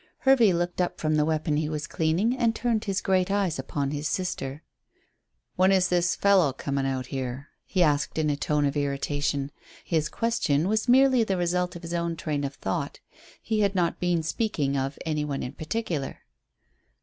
Hervey looked up from the weapon he was cleaning, and turned his great eyes upon his sister. "When is this fellow coming out here?" he asked in a tone of irritation. His question was merely the result of his own train of thought. He had not been speaking of any one in particular.